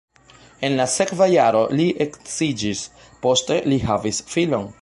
En la sekva jaro li edziĝis, poste li havis filon.